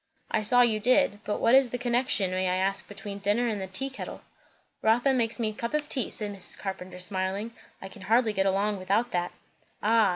"I saw you did. But what is the connection, may I ask, between dinner and the tea kettle?" "Rotha makes me a cup of tea," said Mrs. Carpenter smiling. "I can hardly get along without that." "Ah!